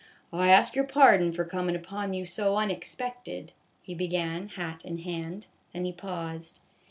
" I ask your pardon for comin' upon you so un expected," he began, hat in hand ; then he paused.